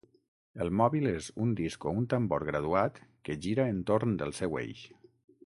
El mòbil és un disc o un tambor graduat que gira entorn del seu eix.